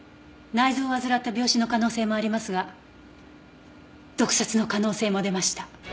内臓を患った病死の可能性もありますが毒殺の可能性も出ました。